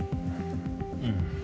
うん。